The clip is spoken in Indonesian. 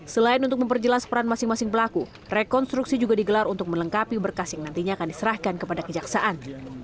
selain untuk memperjelas peran masing masing pelaku rekonstruksi juga digelar untuk melengkapi berkas yang nantinya akan diserahkan kepada kejaksaan